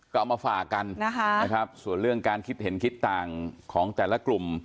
ก็เอามาฝากกันนะคะส่วนเรื่องการคิดเห็นคิดต่างของแต่ละกลุ่ม